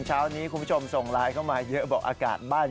เช้านี้คุณผู้ชมส่งไลน์เข้ามาเยอะบอกอากาศบ้าน